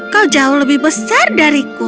kau jauh lebih besar dariku